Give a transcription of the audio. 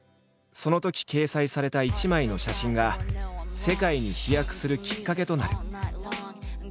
そのとき掲載された一枚の写真が世界に飛躍するきっかけとなる。